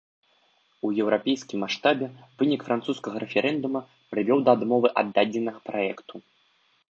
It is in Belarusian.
У еўрапейскім маштабе вынік французскага рэферэндума прывёў да адмовы ад дадзенага праекту.